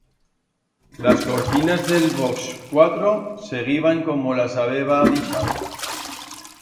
Las cortinas d'el box cuatro seguiban como las habeba dixau.